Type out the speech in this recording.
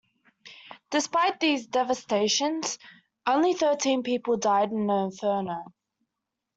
Despite these devastations, only thirteen people died in the inferno.